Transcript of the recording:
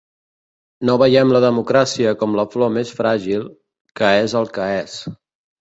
No veiem la democràcia com la flor més fràgil, que és el que és.